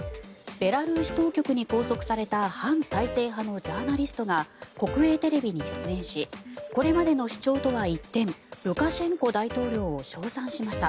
ベラルーシ当局に拘束された反体制派のジャーナリストが国営テレビに出演しこれまでの主張とは一転ルカシェンコ大統領を称賛しました。